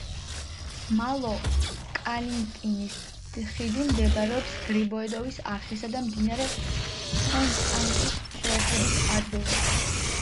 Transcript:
მალო-კალინკინის ხიდი მდებარეობს გრიბოედოვის არხისა და მდინარე ფონტანკის შეერთების ადგილზე.